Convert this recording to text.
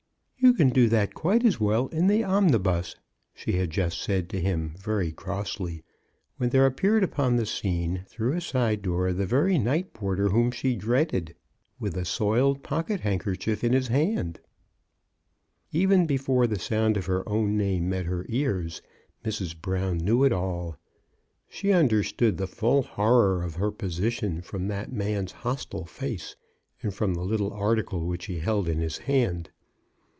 You can do that quite as well in the omnibus," she had just said to him, very crossly, when there appeared upon the scene through a side door that very night porter whom she dreaded with a soiled pocket handkerchief in his hand. M MRS. BROWN DOES ESCAPE. 47 Even before the sound of her own name met her ears, Mrs. Brown knew it all. She under stood the full horror of her position from that man's hostile face, and from the little article which he held in his hand.